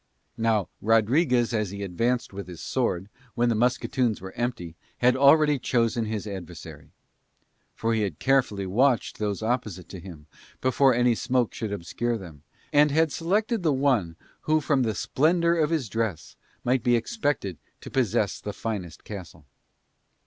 Now Rodriguez as he advanced with his sword, when the musketoons were empty, had already chosen his adversary. For he had carefully watched those opposite to him, before any smoke should obscure them, and had selected the one who from the splendour of his dress might be expected to possess the finest castle.